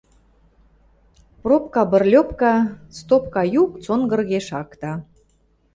Пробка бырльопка, стопка юк цонгырге шакта.